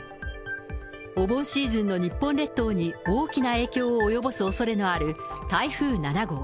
お盆シーズンの日本列島に大きな影響を及ぼすおそれのある台風７号。